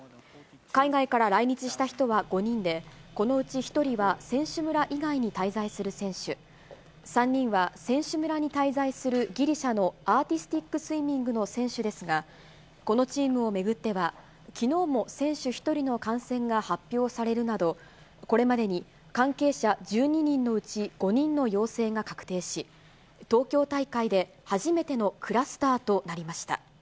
海外から来日した人は５人で、このうち１人は選手村以外に滞在する選手、３人は選手村に滞在するギリシャのアーティスティックスイミングの選手ですが、このチームを巡っては、きのうも選手１人の感染が発表されるなど、これまでに関係者１２人のうち５人の陽性が確定し、東京大会で初めてのクラスターとなりました。